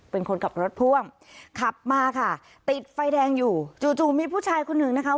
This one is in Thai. เป็นคนขับรถพ่วงขับมาค่ะติดไฟแดงอยู่จู่จู่มีผู้ชายคนหนึ่งนะคะ